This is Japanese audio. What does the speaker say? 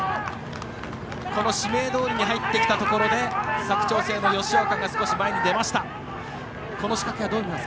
この紫明通に入ってきたところで佐久長聖の吉岡、少し前に出る。